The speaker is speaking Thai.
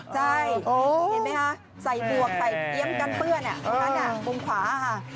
ใช่เห็นไหมคะใส่บวกใส่เพี้ยมกันเปื้อนตรงนั้นมุมขวาค่ะ